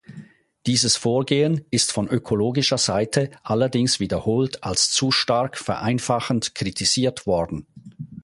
Dieses Vorgehen ist von ökologischer Seite allerdings wiederholt als zu stark vereinfachend kritisiert worden.